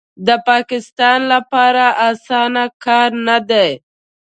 د پاکستان لپاره اسانه کار نه دی